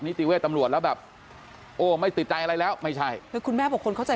ติเวทย์ตำรวจแล้วแบบโอ้ไม่ติดใจอะไรแล้วไม่ใช่คือคุณแม่บอกคนเขาจะ